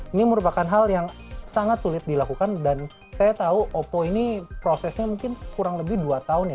ini merupakan hal yang sangat sulit dilakukan dan saya tahu oppo ini prosesnya mungkin kurang lebih dua tahun ya